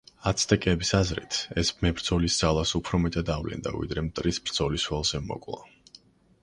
აცტეკების აზრით, ეს მებრძოლის ძალას უფრო მეტად ავლენდა, ვიდრე მტრის ბრძოლის ველზე მოკვლა.